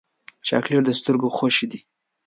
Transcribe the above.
چاکلېټ د سترګو خوښي ده.